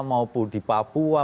mau di papua